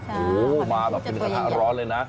โอ้โหมาแบบเป็นกระทะร้อนเลยนะ